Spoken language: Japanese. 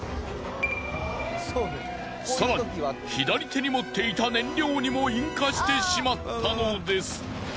更に左手に持っていた燃料にも引火してしまったのです。